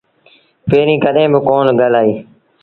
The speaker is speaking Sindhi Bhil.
پيريݩ ڪڏهين با ڪونهيٚ ڳآلآئي